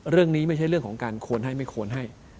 เรื่องนี้ไม่ใช่เรื่องของการควรให้ไม่ควรให้